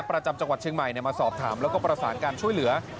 ประจำจังหวัดเชียงใหม่มาสอบถามแล้วก็ประสานการช่วยเหลือ